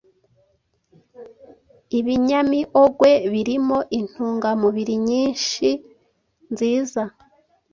Ibinyamiogwe birimo intungamubiri nyinhi nziza,